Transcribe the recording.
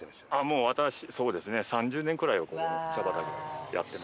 もう私そうですね３０年ぐらいはここの茶畑やってます。